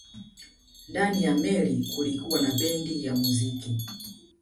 Ndani ya meli kulikuwa na bendi ya muziki